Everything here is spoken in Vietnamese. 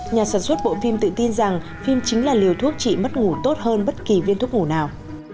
nhà sản xuất bộ phim tự tin rằng phim chính là liều thuốc trị mất ngủ tốt hơn bất kỳ viên thuốc ngủ nào